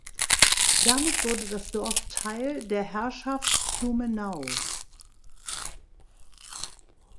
Damit wurde das Dorf Teil der Herrschaft Plumenau.